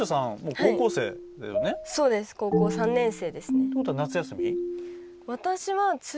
高校３年生ですね。